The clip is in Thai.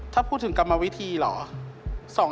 ถ้าพูดถึงกรรมวิธีเหรอ